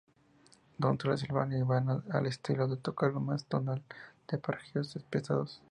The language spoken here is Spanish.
En Transilvania y Banat, el estilo de tocarlo es más tonal, con arpegios pesados.